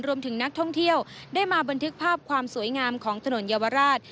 รวมถึงนักท่องเที่ยวได้มาบันทึกภาพความสวยงามของถนนเยาวราช